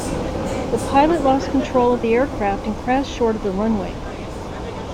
The pilot lost control of the aircraft and crashed short of the runway.